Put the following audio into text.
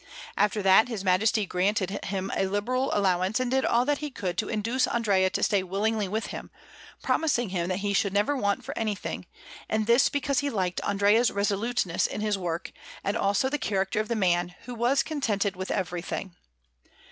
After that, his Majesty granted him a liberal allowance and did all that he could to induce Andrea to stay willingly with him, promising him that he should never want for anything; and this because he liked Andrea's resoluteness in his work, and also the character of the man, who was contented with everything.